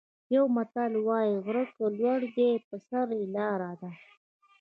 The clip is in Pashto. یو متل وايي: غر که لوړ دی په سر یې لاره ده.